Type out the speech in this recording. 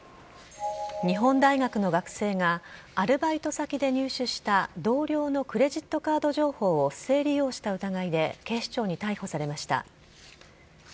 日本大学の学生が、アルバイト先で入手した同僚のクレジットカード情報を不正利用した疑いで、警視庁に逮捕されました。